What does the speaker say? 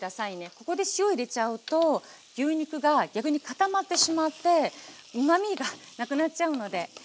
ここで塩入れちゃうと牛肉が逆に固まってしまってうまみがなくなっちゃうので。